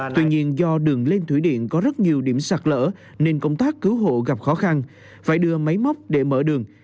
tuy nhiên do đường lên thủy điện có rất nhiều điểm sạt lỡ nên công tác cứu hộ gặp khó khăn phải đưa máy móc để mở đường